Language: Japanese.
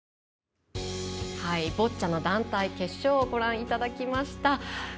ボッチャの団体決勝をご覧いただきました。